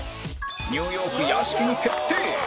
ニューヨーク屋敷に決定！